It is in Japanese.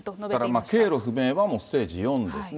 だから、経路不明はもうステージ４ですね。